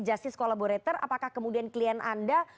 justice collaborator apakah kemudian klien anda